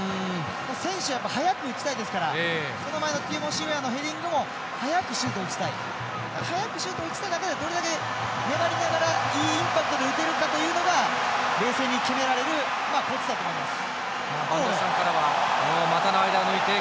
選手はやっぱり早く打ちたいですからその前のティモシー・ウェアのヘディングも早くシュートを打ちたい中でどれだけ粘りながらいいインパクトで打てるかというのが冷静に決められるコツだと思います。